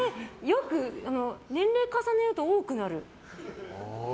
年齢重ねると多くなる。